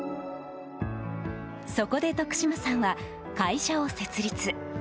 そこで徳島さんは会社を設立。